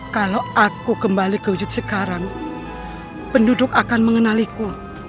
kalau aku kembali ke wujud sekarang penduduk akan mengenaliku